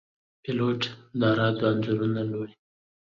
پیلوټ د رادار انځورونه لولي.